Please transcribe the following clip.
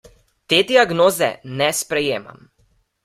Te diagnoze ne sprejemam.